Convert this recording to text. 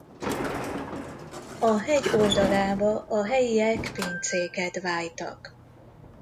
A hegy oldalába a helyiek pincéket vájtak.